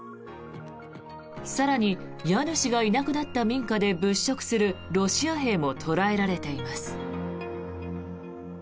更に、家主がいなくなった民家で物色するロシア兵も捉えられています。